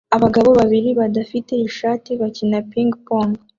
Abagabo babiri badafite ishati bakina ping-pong